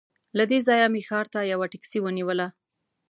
له دې ځایه مې ښار ته یوه ټکسي ونیوله.